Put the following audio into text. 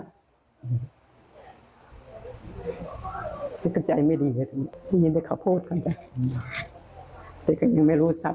แต่ก็ยังไม่รู้สัตว์ยังมีความหวัง